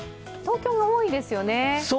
東京が多いですね。